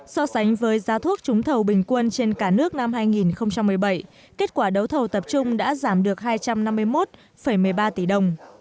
so sánh với giá thuốc trúng thầu bình quân trên cả nước năm hai nghìn một mươi bảy kết quả đấu thầu tập trung đã giảm được hai trăm năm mươi một một mươi ba tỷ đồng